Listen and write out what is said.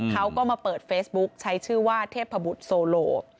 เขาก็มาเปิดเฟซบุ๊คใช้ชื่อว่าเทพบุตรโซโล